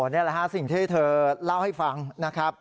นี่แหละฮะสิ่งที่เธอเล่าให้ฟังนะครับ